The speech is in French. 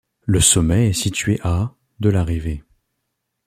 Le sommet est situé à de l'arrivée.